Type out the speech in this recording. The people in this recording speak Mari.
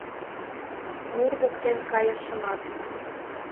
Нур воктен кайышымат